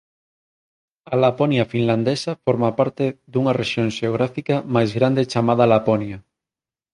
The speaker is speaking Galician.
A Laponia finlandesa forma parte dunha rexión xeográfica máis grande chamada Laponia.